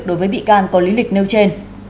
đối với bị can có lý lịch nêu trên